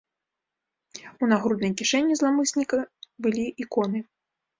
У нагруднай кішэні зламысніка былі іконы.